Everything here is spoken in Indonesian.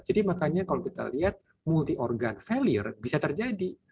jadi makanya kalau kita lihat multi organ failure bisa terjadi